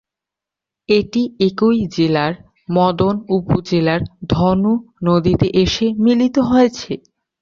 এটি একই জেলার মদন উপজেলার ধনু নদীতে এসে মিলিত হয়েছে।